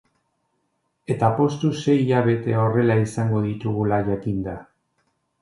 Eta poztu sei hilabete horrela izango ditugula jakinda.